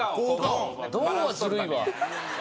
「ドン」はずるいわ。